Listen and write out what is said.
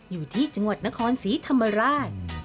อยู่ที่จังหวัดนครศรีธรรมราช